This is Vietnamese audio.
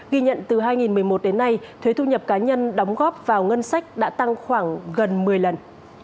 ghi nhận từ hai nghìn một mươi một đến nay thuế thu nhập cá nhân đóng góp vào ngân sách đã tăng khoảng gần một mươi lần